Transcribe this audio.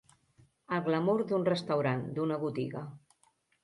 El glamur d'un restaurant, d'una botiga.